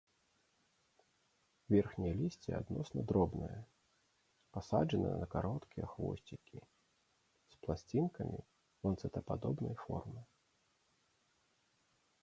Верхняе лісце адносна дробнае, пасаджанае на кароткія хвосцікі, з пласцінкамі ланцэтападобнай формы.